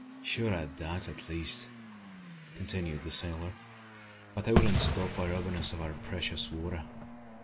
"Sure o' that, at least," continued the sailor. "But they wouldn't stop by robbin' us o' our precious water.